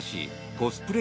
コスプレ